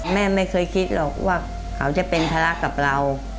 แม่ไม่เคยคิดหรอกว่าเขาจะเป็นภาระกับเรา